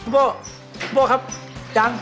สุโป้ครับยัง